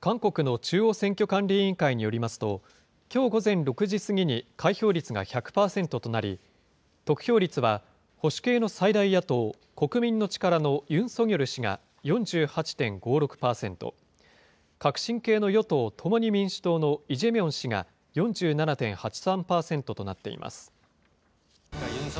韓国の中央選挙管理委員会によりますと、きょう午前６時過ぎに開票率が１００％となり、得票率は、保守系の最大野党・国民の力のユン・ソギョル氏が４８．５６％、革新系の与党・共に民主党のイ・ジェミョン氏が４７．８３％となっています。